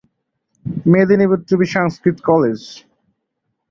Medinipur to be Sanskrit College.